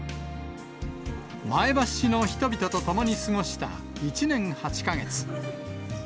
前橋市の人々と共に過ごした１年８か月。